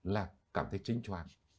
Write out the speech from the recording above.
là cảm thấy chênh choáng